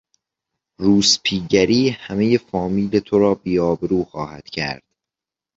روسپیگری همهی فامیل تو را بیآبرو خواهد کرد.